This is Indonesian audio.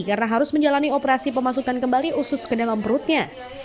karena harus menjalani operasi pemasukan kembali usus ke dalam perutnya